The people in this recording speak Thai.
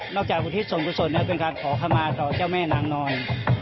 จากอุทิศส่วนกุศลแล้วเป็นการขอขมาต่อเจ้าแม่นางนอน